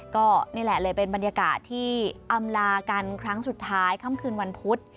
ก็นี่แหละเลยเป็นบรรยากาศที่อำลากันครั้งสุดท้ายค่ำคืนวันพุธ